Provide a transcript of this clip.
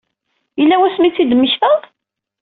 Yella wasmi i tt-id-temmektaḍ?